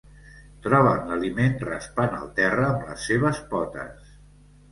Troben l'aliment raspant el terra amb les seves potes.